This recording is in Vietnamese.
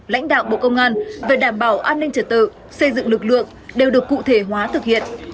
lãnh đạo bộ công an